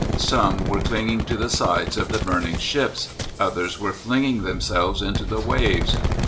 Some were clinging to the sides of the burning ships, others were flinging themselves into the waves.